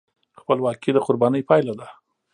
خپلواکي د قربانۍ پایله ده.